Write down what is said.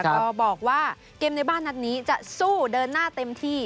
ก็บอกว่าเกมในบ้านนัดนี้จะสู้เดินหน้าเต็มที่